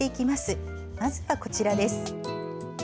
まずはこちらです。